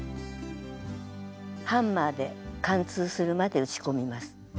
ハンマーで貫通するまで打ち込みます。